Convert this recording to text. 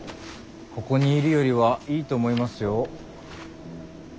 ここにいるよりはいいと思いますよ。